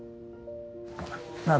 なあ